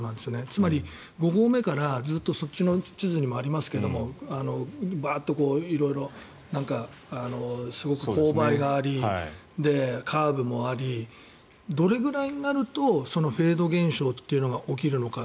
つまり、五合目からずっとそっちの地図にもありますけどバーッと色々すごく勾配がありカーブもありどれぐらいになるとそのフェード現象というのが起きるのか。